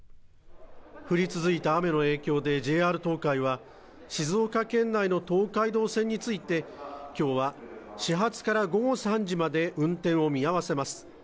降り続いて雨の影響でＪＲ東海は静岡県内の東海道線について今日は始発から午後３時まで運転を見合わせます。